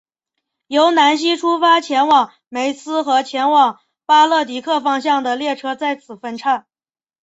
由南锡出发前往梅斯和前往巴勒迪克方向的列车在此分岔。